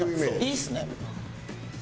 いいですね。